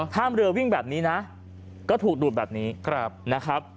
ถ้าเรือวิ่งแบบนี้นะก็ถูกดูดแบบนี้นะครับ